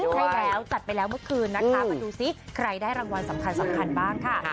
ใช่แล้วจัดไปแล้วเมื่อคืนนะคะมาดูซิใครได้รางวัลสำคัญบ้างค่ะ